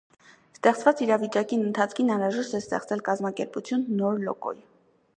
Ստեղծուած իրավիճակին ընթացքին անհրաժեշտ էր ստեղծել կազմակերպութեան նոր լոկոյ։